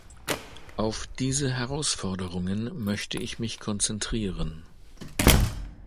Auf diese Herausforderungen möchte ich mich konzentrieren.